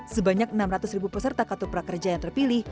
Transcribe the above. sebanyak enam ratus ribu peserta kartu prakerja yang terpilih